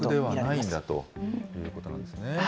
国策ではないんだということなんですね。